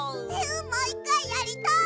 もう１かいやりたい。